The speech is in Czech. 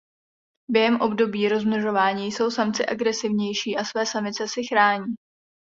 Během období rozmnožování jsou samci agresivnější a své samice si chrání.